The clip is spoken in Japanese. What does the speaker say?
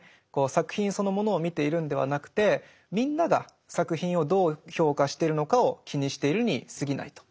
作品そのものを見ているんではなくてみんなが作品をどう評価してるのかを気にしているにすぎないと。